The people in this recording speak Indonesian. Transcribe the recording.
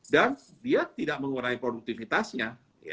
dan dia tidak mengurangi produktivitasnya